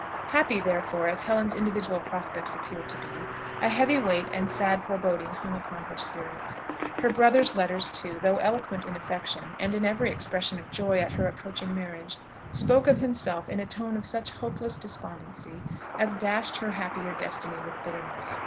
Happy therefore as Helen's individual prospects appeared to be, a heavy weight and sad foreboding hung upon her spirits. Her brother's letters too, though eloquent in affection, and in every expression of joy at her approaching marriage, spoke of himself in a tone of such hopeless despondency as dashed her happier destiny with bitterness.